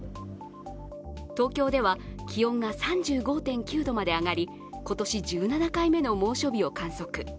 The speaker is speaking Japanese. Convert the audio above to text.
東京では気温が３５．９度まで上がり今年１７回目の猛暑日を観測。